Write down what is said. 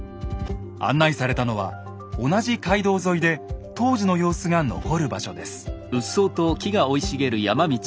案内されたのは同じ街道沿いで当時の様子が残る場所です。